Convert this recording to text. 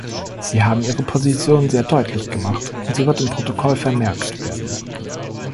Sie haben Ihre Position sehr deutlich gemacht, und sie wird im Protokoll vermerkt werden.